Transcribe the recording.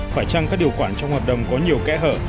phải chăng các điều khoản trong hợp đồng có nhiều kẽ hở